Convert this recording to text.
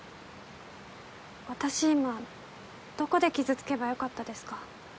私今どこで傷つけばよかったですか？